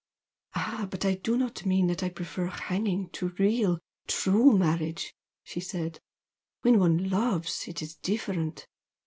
"Ah, but I do not mean that I prefer hanging to real, true marriage!" she said "When one loves, it is different!